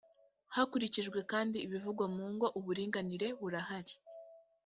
hakurikijwe kandi ibivugwa mungo uburinganire burahari.